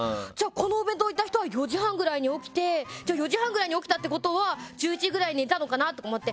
このお弁当を置いた人は４時半くらいに起きて４時半くらいに起きたってことは１１時くらいに寝たのかな？とか思って。